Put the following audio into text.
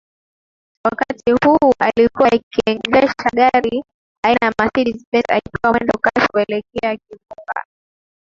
Wakati huu alikuwa akiendesha gari aina ya Mercedes Benz akiwa mwendo kasi kuelekea kivunga